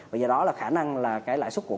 và do đó là khả năng là cái lãi suất của